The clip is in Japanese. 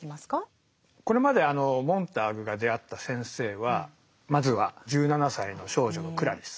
これまでモンターグが出会った先生はまずは１７歳の少女のクラリス。